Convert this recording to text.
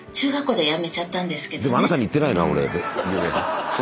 あなたに言ってないな俺。